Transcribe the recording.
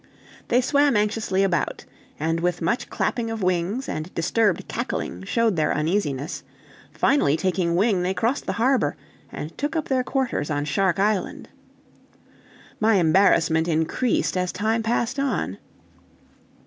They swam anxiously about, and with much clapping of wings and disturbed cackling showed their uneasiness; finally taking wing they crossed the harbor, and took up their quarters on Shark Island. My embarrassment increased, as time passed on.